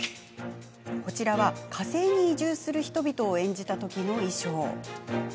こちらは、火星に移住する人々を演じた時の衣装。